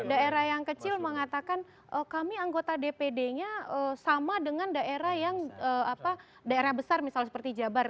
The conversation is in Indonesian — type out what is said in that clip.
daerah yang kecil mengatakan kami anggota dpd nya sama dengan daerah yang daerah besar misalnya seperti jabar